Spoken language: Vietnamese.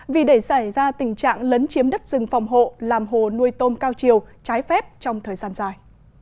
vì để xảy ra tình trạng lấn chiếm đất rừng phòng hộ làm hồ nuôi tôm cao chiều trái phép trong thời gian dài